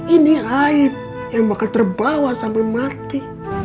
ini aib yang bakal terbawa sampe mati